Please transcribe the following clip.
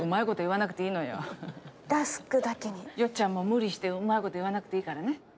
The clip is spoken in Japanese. よっちゃんも無理してうまいこと言わなくていいからね。